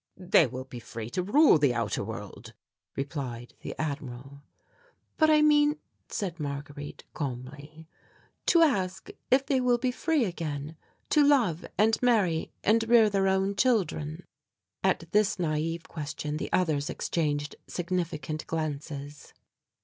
"They will be free to rule the outer world," replied the Admiral. "But I mean," said Marguerite calmly, "to ask if they will be free again to love and marry and rear their own children." At this naïve question the others exchanged significant glances.